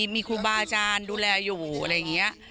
มีครูบาอาจารย์ดูแลอยู่อะไรอย่างนี้